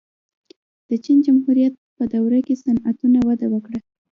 د چین جمهوریت په دوره کې صنعتونه وده وکړه.